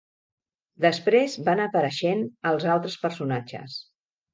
Després van apareixent els altres personatges.